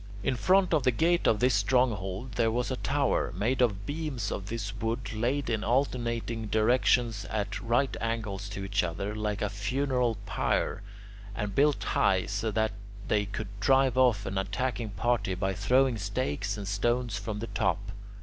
In front of the gate of this stronghold there was a tower, made of beams of this wood laid in alternating directions at right angles to each other, like a funeral pyre, and built high, so that they could drive off an attacking party by throwing stakes and stones from the top.